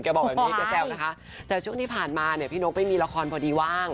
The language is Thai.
บอกแบบนี้แกแซวนะคะแต่ช่วงที่ผ่านมาเนี่ยพี่นกไม่มีละครพอดีว่าง